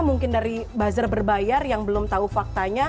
mungkin dari buzzer berbayar yang belum tahu faktanya